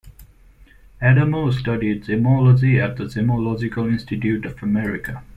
Adamo studied gemology at the Gemological Institute of America.